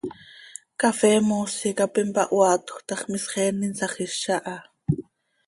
Cafee moosi cap impahoaatjö ta x, misxeen insajíz aha.